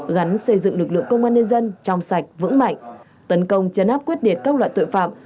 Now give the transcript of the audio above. gắn xây dựng lực lượng công an nhân dân trong sạch vững mạnh tấn công chấn áp quyết định các loại tội phạm